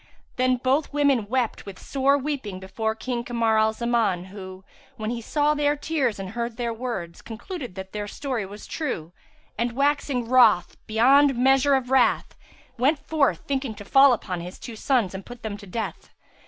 Then both women wept with sore weeping before King Kamar al Zaman who, when he saw their tears and heard their words, concluded that their story was true and, waxing wroth beyond measure of wrath, went forth thinking to fall upon his two sons and put them to death.